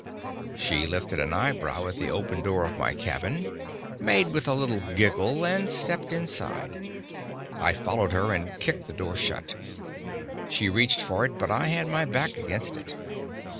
She lifted an eyebrow at the open door of my cabin, made with a little giggle, and stepped inside. I followed her, and kicked the door shut. She reached for it, but I had my back against it.